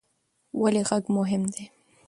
ولې غږ مهم دی؟